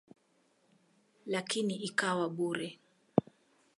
Lakini ikawa bure.